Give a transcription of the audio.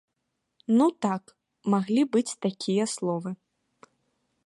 Ну так, маглі быць такія словы.